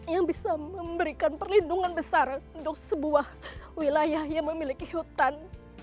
yang bisa memberikan perlindungan besar untuk sebuah wilayah yang memiliki hutan